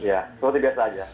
ya seperti biasa aja